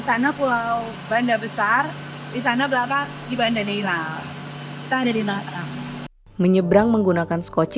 sana pulau banda besar di sana belakang di bandaneira kita ada di belakang menyebrang menggunakan skocci